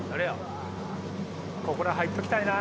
ここら入っときたいな。